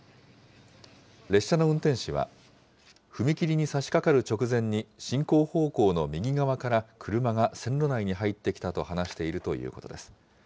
列車の運転士は、踏切にさしかかる直前に進行方向の右側から車が線路内に入ってきたと話しているということです。